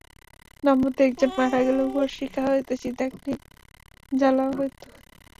দম্পতির একজন মারা গেলে উহার শিখা হইতে চিতাগ্নি জ্বালা হইত।